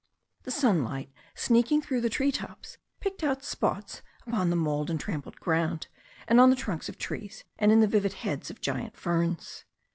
The sunlight, sneaking through the tree tops, picked out spots upon the mauled and trampled ground, and on the trunks of trees, and in the vivid heads of giant ferns.